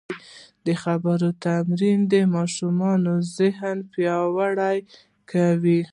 د خبرو تمرین د ماشوم ذهن پیاوړی کوي.